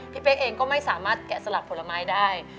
เป๊กเองก็ไม่สามารถแกะสลักผลไม้ได้